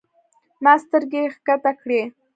ما سترګې کښته کړې.